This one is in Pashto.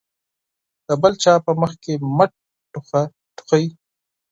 د بل چا په مخ کې مه ټوخئ.